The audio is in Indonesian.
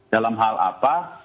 dalam hal apa